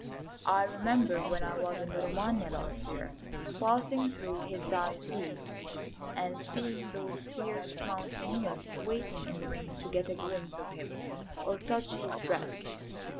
I remember, when I was in the Romagna last year, passing through his diocese and seeing those fierce mountaineers waiting in the rain to get a glimpse of him or touch his dress.